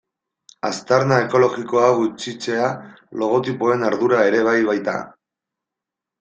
Aztarna ekologikoa gutxitzea logotipoen ardura ere bai baita.